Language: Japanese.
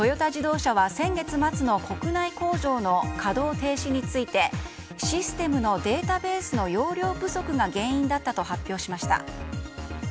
トヨタ自動車は先月末の国内工場の稼働停止についてシステムのデータベースの容量不足が原因だったと発表しました。